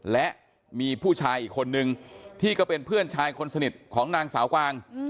และมีผู้ชายอีกคนนึงที่ก็เป็นเพื่อนชายคนสนิทของนางสาวกวาง